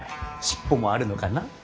尻尾もあるのかな。